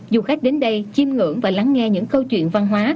dù khách đến đây chim ngưỡng và lắng nghe những câu chuyện văn hóa